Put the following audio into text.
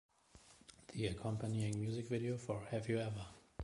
The accompanying music video for Have You Ever?